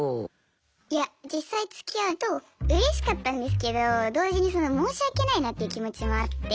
いや実際つきあうとうれしかったんですけど同時に申し訳ないなっていう気持ちもあって。